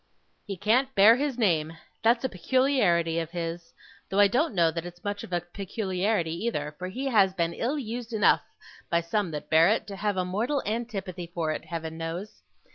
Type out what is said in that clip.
He can't bear his name. That's a peculiarity of his. Though I don't know that it's much of a peculiarity, either; for he has been ill used enough, by some that bear it, to have a mortal antipathy for it, Heaven knows.